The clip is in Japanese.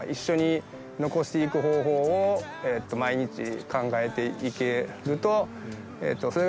貊錣残していく方法を毎日考えていけると修譴